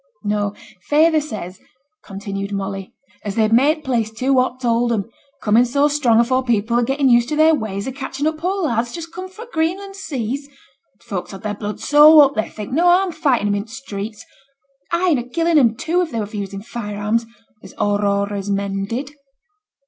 'No; feyther says,' continued Molly, 'as they've made t' place too hot t' hold 'em, coming so strong afore people had getten used to their ways o' catchin' up poor lads just come fra' t' Greenland seas. T' folks ha' their blood so up they'd think no harm o' fighting 'em i' t' streets ay, and o' killing 'em, too, if they were for using fire arms, as t' Aurora's men did.'